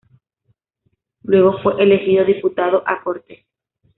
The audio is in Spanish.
Luego fue elegido diputado a Cortes.